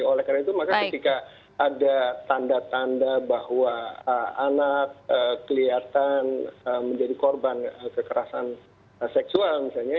oleh karena itu maka ketika ada tanda tanda bahwa anak kelihatan menjadi korban kekerasan seksual misalnya